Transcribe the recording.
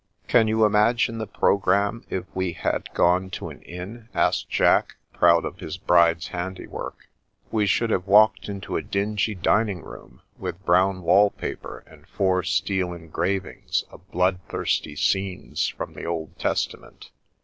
" Can't you imagine the programme if we had gone to an inn ?" asked Jack, proud of his bride's handiwork. " We should have walked into a dingy dining room, with brown wallpaper and four steel engravings of bloodthirsty scenes from the Old Tes tament.